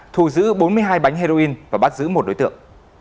thu giữ bốn mươi hai bánh heroin và bắt giữ một đối tượng